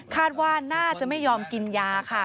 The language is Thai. คาดว่าน่าจะไม่ยอมกินยาค่ะ